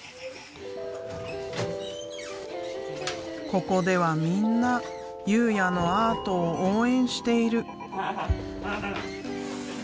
ここではみんな佑哉のアートを応援している。